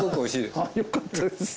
ああよかったです！